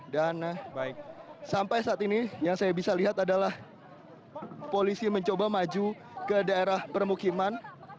dan sampai saat ini yang saya bisa lihat adalah polisi mencoba maju ke daerah permukiman